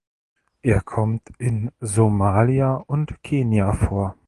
Er kommt in Somalia und Kenia vor.